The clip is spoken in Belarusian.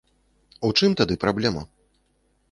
У чым тады праблема?